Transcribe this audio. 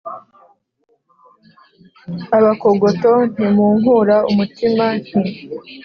abakogoto ntimunkura umutima" Nti: